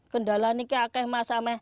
kendala ini juga